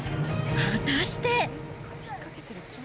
果たして。